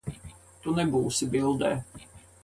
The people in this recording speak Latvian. Tu nebūsi bildē.